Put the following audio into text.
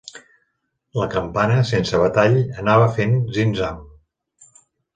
La campana, sense batall, anava fent zim-zam.